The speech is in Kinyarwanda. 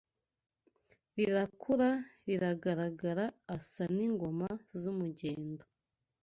Rirakura riragara Asa n’ingoma z’umugendo